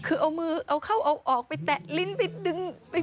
คือเอามือเอาเข้าเอาออกไปแตะลิ้นไปดึงไป